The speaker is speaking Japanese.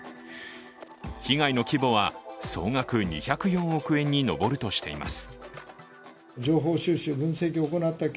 被害の規模は総額２０４億円に上るとしています。